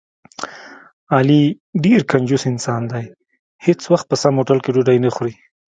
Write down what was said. علي ډېر کنجوس انسان دی، هېڅ وخت په سم هوټل کې ډوډۍ نه خوري.